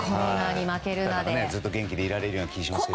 ずっと元気でいられるような気がします。